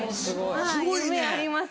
夢あります。